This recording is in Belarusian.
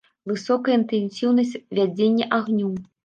Высокая інтэнсіўнасць вядзення агню.